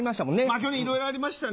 去年いろいろありましたね。